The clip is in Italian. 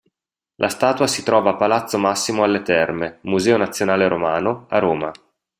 La statua si trova a Palazzo Massimo alle Terme, Museo Nazionale Romano, a Roma.